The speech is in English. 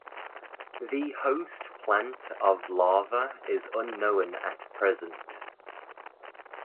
The host plant of larva is unknown at present.